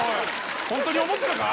ホントに思ってたか？